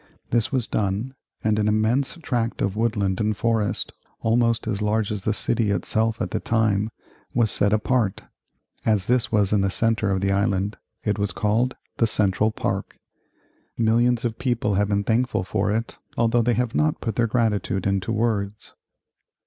This was done and an immense tract of woodland and forest, almost as large as the city itself at the time, was set apart. As this was in the centre of the island it was called the Central Park. Millions of people have been thankful for it, although they have not put their gratitude into words.